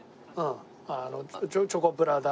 チョコプラだ。